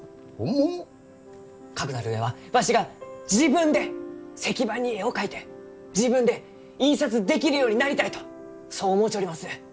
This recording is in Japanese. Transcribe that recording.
かくなる上はわしが自分で石版に絵を描いて自分で印刷できるようになりたいとそう思うちょります。